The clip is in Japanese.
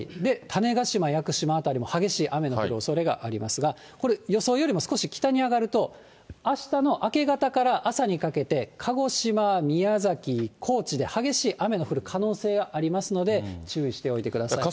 種子島、屋久島辺りも激しい雨の降るおそれがありますが、これ、予想よりも少し北に上がると、あしたの明け方から朝にかけて、鹿児島、宮崎、高知で激しい雨の降る可能性がありますので、注意しておいてください。